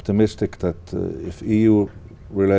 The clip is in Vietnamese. trong khu vực